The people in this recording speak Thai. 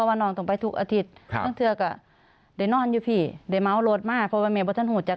เมื่อก่อนตอนแรก